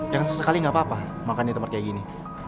gak sesekali ga apa apa makan di tempat kayak gini